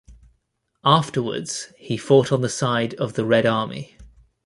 Afterwards, he fought on the side of the Red Army.